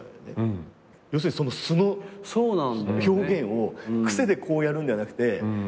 要するに素の表現を癖でこうやるんじゃなくて。